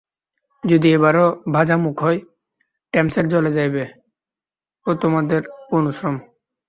যদি এবারও ভাজা মুগ হয়, টেমসের জলে যাইবে ও তোমাদের পণ্ডশ্রম।